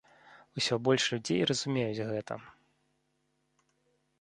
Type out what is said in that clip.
Усё больш людзей разумеюць гэта.